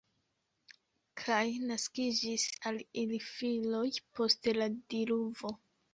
Kaj naskiĝis al ili filoj post la diluvo.